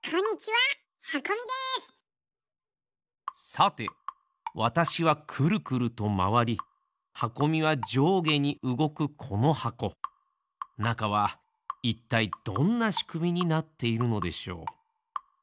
さてわたしはくるくるとまわりはこみはじょうげにうごくこのはこなかはいったいどんなしくみになっているのでしょう？